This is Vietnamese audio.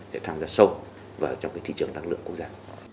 để tham gia sâu vào trong cái thị trường năng lượng quốc gia